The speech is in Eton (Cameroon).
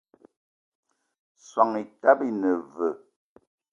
Soan etaba ine veu?